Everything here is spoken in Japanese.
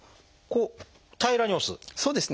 こう平らに押す？